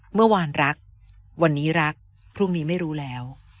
เมื่อวานรักวันนี้รักพรุ่งนี้ไม่รู้แล้ว